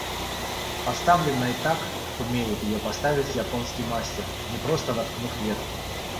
поставленной так, как умеет ее поставить японский мастер, – не просто воткнув ветку